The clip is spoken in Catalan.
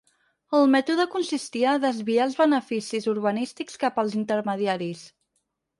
El mètode consistia a desviar els beneficis urbanístics cap als intermediaris.